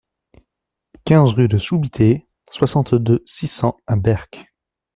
quinze rue Soubitez, soixante-deux, six cents à Berck